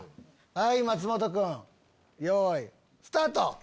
はい松本くんよいスタート！